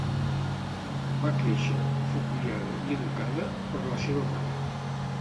Va créixer, fou criada i educada per la seva mare.